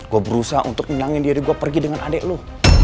gue berusaha untuk nyenangin diri gue pergi dengan adik lu